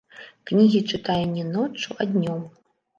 Кнігі чытаю не ноччу, а днём!